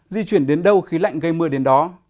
di chuyển đến đâu khí lạnh gây mưa đến đó